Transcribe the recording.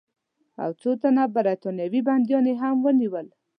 او څو تنه برټانوي بندیان یې هم ونیول.